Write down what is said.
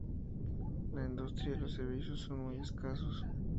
La industria y los servicios son muy escasos.